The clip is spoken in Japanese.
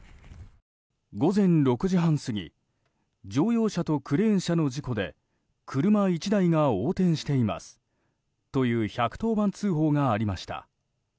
午前６時半過ぎ乗用車とクレーン車の事故で車１台が横転していますという１１０番通報がありました。